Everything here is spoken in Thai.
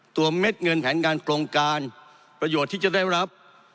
เม็ดเงินแผนงานโครงการประโยชน์ที่จะได้รับ